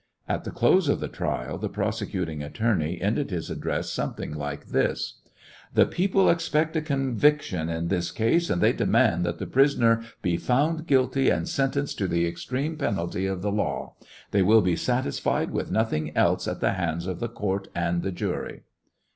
At the close of the trial, the prose cuting attorney ended his address something like this : "The people expect a conviction in this case, and they demand that the prisoner be found guilty and sentenced to the extreme penalty of the law. They will be satisfied with nothing else at the hands of the court and the jury.''